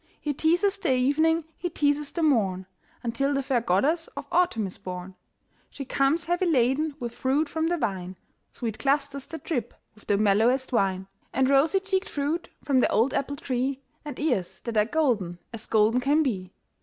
He teases the evening, he teases the morn, Until the fair Goddess of Autumn is born. She comes heavy laden with fruit from the vine, Sweet clusters that drip with the mellowest wine; And rosy cheeked fruit from the old apple tree, And ears that are golden as golden can be.